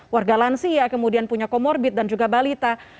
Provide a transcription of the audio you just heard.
warga lansia kemudian punya comorbid dan juga balita